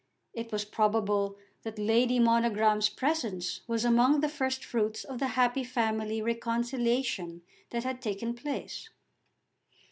It was probable that Lady Monogram's presence was among the first fruits of the happy family reconciliation that had taken place.